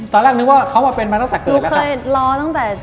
ตอนแรกนึกว่าเขามาเป็นมาตั้งแต่เกิด